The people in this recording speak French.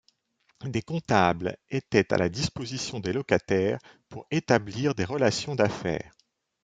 Des comptables étaient à la disposition des locataires pour établir des relations d'affaires.